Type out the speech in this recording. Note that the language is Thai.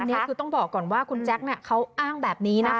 อันนี้คือต้องบอกก่อนว่าคุณแจ๊คเขาอ้างแบบนี้นะคะ